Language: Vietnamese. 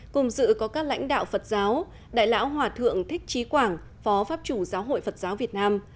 cùng dự có các lãnh đạo phật giáo đại lão hòa thượng thích trí quảng phó pháp chủ giáo hội phật giáo việt nam